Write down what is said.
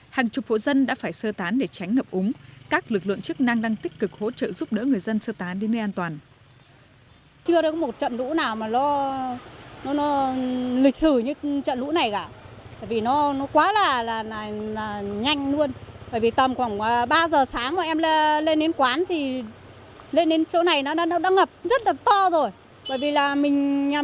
hàng chục hộ dân đã phải sơ tán để tránh ngập úng các lực lượng chức năng đang tích cực hỗ trợ giúp đỡ người dân sơ tán đến nơi an toàn